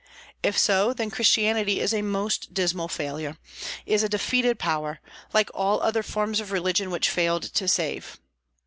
If so, then Christianity is a most dismal failure, is a defeated power, like all other forms of religion which failed to save.